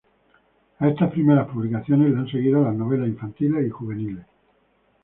A estas primeras publicaciones le han seguido las novelas infantiles y juveniles.